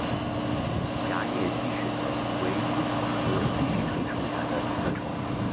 狭叶鸡矢藤为茜草科鸡矢藤属下的一个种。